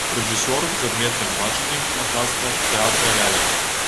Рэжысёр з адметным бачаннем мастацтва тэатра лялек.